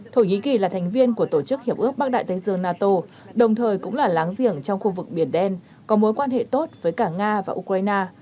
thổ nhĩ kỳ là thành viên của tổ chức hiệp ước bắc đại tây dương nato đồng thời cũng là láng giềng trong khu vực biển đen có mối quan hệ tốt với cả nga và ukraine